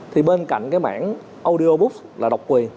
thì bên cạnh cái mảng audiobooks là độc quyền